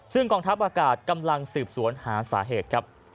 ซึ่งกองทัพอากาศกำลังสืบสวนหาสาเหตุครับ